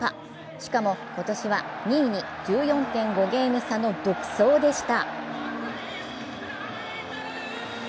しかも、今年は２位に１４．５ゲーム差の独走でした。